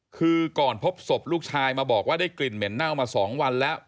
คือก่อนพบศพลูกชายมาบอกว่าได้กลิ่นเหม็นเน่ามา๒วันแล้ว